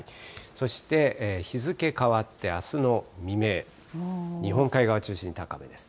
そして、日付変わってあすの未明、日本海側を中心に高めです。